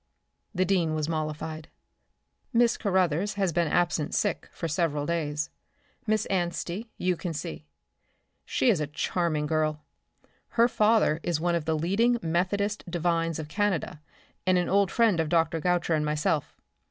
The dean was mollified. "Miss Carothers has been absent sick for several days. Miss Anstey you can see. She is a charming girl. Her father is one of the leading Methodist divines of Canada, and an old friend of Dr. Goucher and myself.